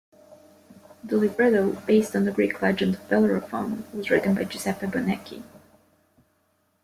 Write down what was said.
The libretto, based on the Greek legend of Bellerophon, was written by Giuseppe Bonecchi.